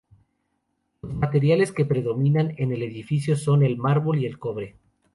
Los materiales que predominan en el edificio son el mármol y el cobre.